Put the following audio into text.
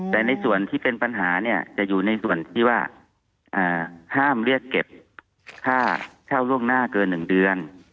แต่ในส่วนที่เป็นปัญหาเนี่ยจะอยู่ในส่วนที่ว่าห้ามเรียกเก็บค่าเช่าล่วงหน้าเกิน๑เดือน